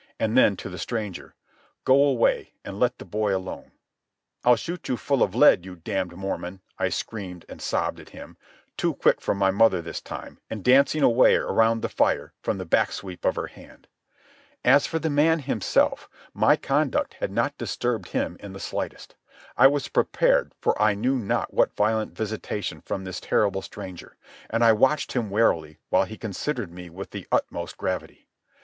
And then, to the stranger, "Go away and let the boy alone." "I'll shoot you full of lead, you damned Mormon!" I screamed and sobbed at him, too quick for my mother this time, and dancing away around the fire from the back sweep of her hand. As for the man himself, my conduct had not disturbed him in the slightest. I was prepared for I knew not what violent visitation from this terrible stranger, and I watched him warily while he considered me with the utmost gravity.